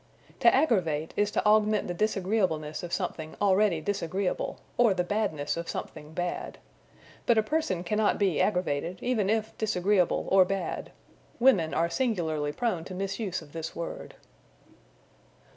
To aggravate is to augment the disagreeableness of something already disagreeable, or the badness of something bad. But a person cannot be aggravated, even if disagreeable or bad. Women are singularly prone to misuse of this word.